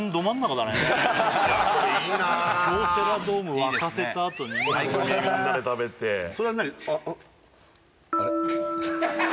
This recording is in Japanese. いやそれいいな京セラドーム沸かせたあとにお好み焼きみんなで食べてそれは何あれ？